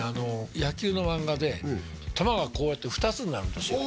野球の漫画で球がこうやって２つになるんですよ